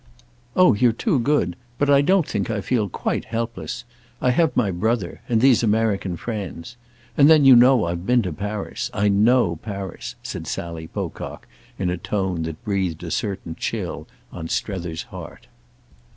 "Oh you're too good; but I don't think I feel quite helpless. I have my brother—and these American friends. And then you know I've been to Paris. I know Paris," said Sally Pocock in a tone that breathed a certain chill on Strether's heart.